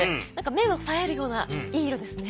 目のさえるようないい色ですね。